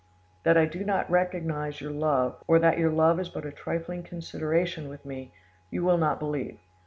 "That I do not recognise your love, or that your love is but a trifling consideration with me, you will not believe.